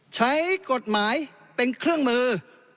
ใช้กฎหมายเป็นเครื่องมือ